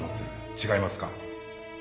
違いますか？